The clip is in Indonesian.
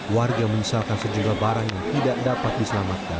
warga menyesalkan sejumlah barang yang tidak dapat diselamatkan